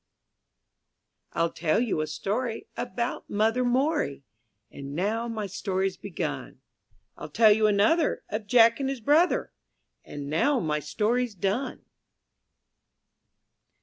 r *LL tell you a story About Mother Morey — And now my story *s begun; I'll tell you another Of Jack and his brother — And now my story's done.